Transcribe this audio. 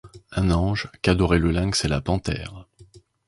Un ange, qu’adoraient le lynx et la panthère